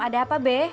ada apa be